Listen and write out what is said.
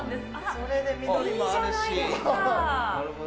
それで、緑もあるし。